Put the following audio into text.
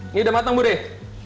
ini udah matang bu deh